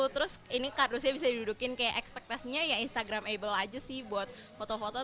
terus ini kardusnya bisa didudukin kayak ekspektasinya ya instagramable aja sih buat foto foto